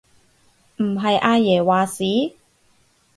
唔係阿爺話事？